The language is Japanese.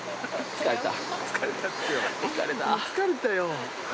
疲れたぁ。